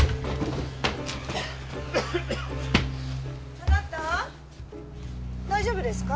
・あなた大丈夫ですか？